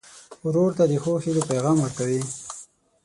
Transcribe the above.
ورور ته د ښو هيلو پیغام ورکوې.